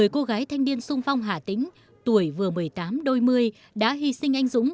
một mươi cô gái thanh niên sung phong hà tĩnh tuổi vừa một mươi tám đôi mươi đã hy sinh anh dũng